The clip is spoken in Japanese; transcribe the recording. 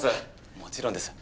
もちろんです。